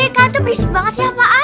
ehh kan tuh berisik banget sih apaan